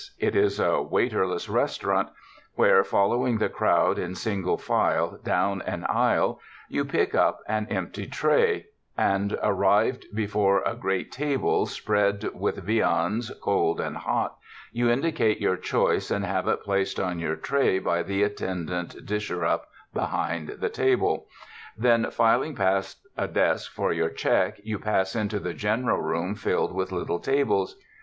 It is a waiterless restaurant, where, following the crowd in single file down an aisle, you pick up an empty tray, and arrived before a great table spread with 202 TOURIST TOWNS viands cold and hot, you indicate yonr choice and have it placed on your tray by the attendant disher up behind the table. Then, filing past a desk for your check, you pass into the general room filled with little tables.